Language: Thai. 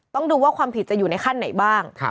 ต้องดูว่าความผิดจะอยู่ในขั้นไหนบ้าง